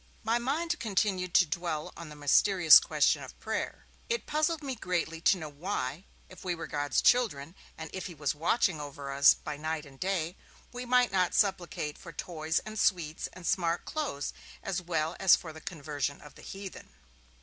My mind continued to dwell on the mysterious question of prayer. It puzzled me greatly to know why, if we were God's children, and if he was watching over us by night and day, we might not supplicate for toys and sweets and smart clothes as well as for the conversion of the heathen.